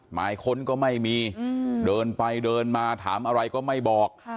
หมายค้นก็ไม่มีเดินไปเดินมาถามอะไรก็ไม่บอก